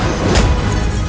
aku akan menang